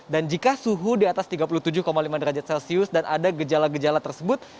dan jika suhu di atas tiga puluh tujuh lima derajat celcius dan ada gejala gejala tersebut